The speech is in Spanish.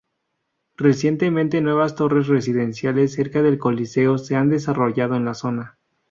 Recientemente nuevas torres residenciales cerca del Coliseo se han desarrollando en la zona.